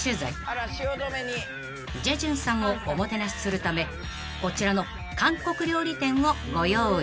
［ジェジュンさんをおもてなしするためこちらの韓国料理店をご用意］